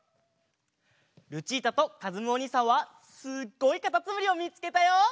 ルチータとかずむおにいさんはすっごいかたつむりをみつけたよ。